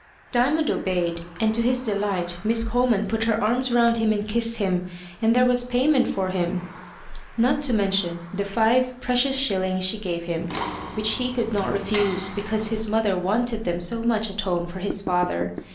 Diamond obeyed, and to his delight Miss Coleman put her arms round him and kissed him, and there was payment for him! Not to mention the five precious shillings she gave him, which he could not refuse because his mother wanted them so much at home for his father.